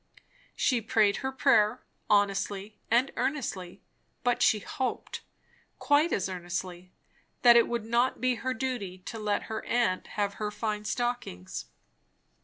She prayed her prayer, honestly and earnestly, but she hoped, quite as earnestly, that it would not be her duty to let her aunt have her fine stockings.